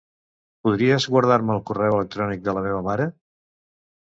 Podries guardar-me el correu electrònic de la meva mare?